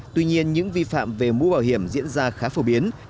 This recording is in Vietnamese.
tuy nhiên những vi phạm về mũ bảo hiểm diễn ra khá phổ biến